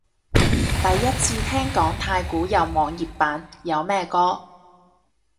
第一次聽講太鼓有網頁版，有咩歌？